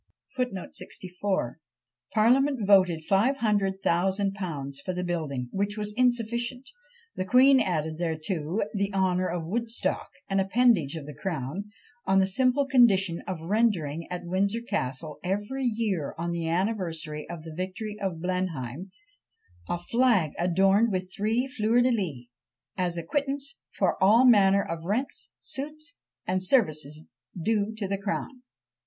Parliament voted 500,000_l._ for the building, which was insufficient. The queen added thereto the honour of Woodstock, an appanage of the crown, on the simple condition of rendering at Windsor Castle every year on the anniversary of the victory of Blenheim, a flag adorned with three fleur de lys, "as acquittance for all manner of rents, suits and services due to the crown."